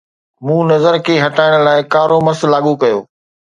مون نظر کي هٽائڻ لاء ڪارو مس لاڳو ڪيو